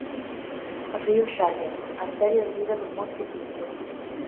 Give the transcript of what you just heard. Río Xallas, arteria de vida do Monte Pindo!